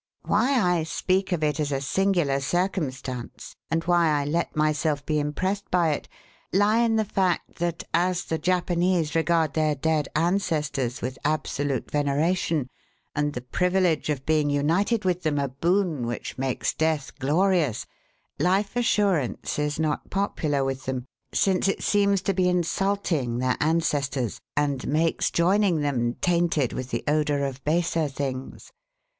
Why I speak of it as a singular circumstance, and why I let myself be impressed by it, lie in the fact that, as the Japanese regard their dead ancestors with absolute veneration and the privilege of being united with them a boon which makes death glorious, life assurance is not popular with them, since it seems to be insulting their ancestors and makes joining them tainted with the odour of baser things.